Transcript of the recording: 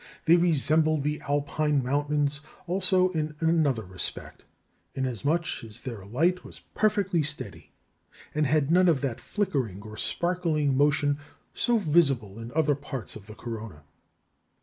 They resembled the Alpine mountains also in another respect, inasmuch as their light was perfectly steady, and had none of that flickering or sparkling motion so visible in other parts of the corona.